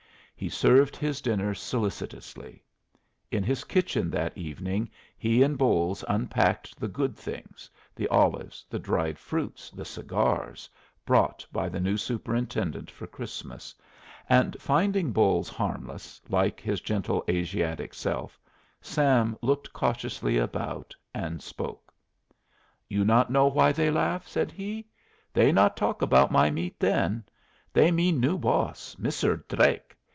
He served his dinner solicitously. In his kitchen that evening he and Bolles unpacked the good things the olives, the dried fruits, the cigars brought by the new superintendent for Christmas; and finding Bolles harmless, like his gentle Asiatic self, Sam looked cautiously about and spoke: "You not know why they laugh," said he. "They not talk about my meat then. They mean new boss, Misser Dlake.